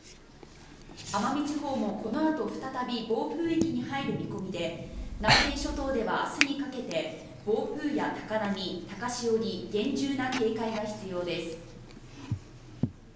奄美地方もこのあと再び暴風域に入る見込みで南西諸島では明日にかけて暴風や高波、高潮に厳重な警戒が必要です。